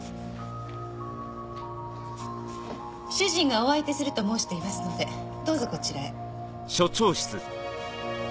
主人がお相手すると申していますのでどうぞこちらへ。